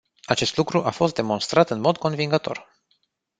Acest lucru a fost demonstrat în mod convingător.